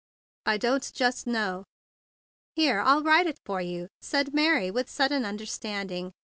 "I don't just know—" "Here, I'll write it for you," said Mary with sudden understanding.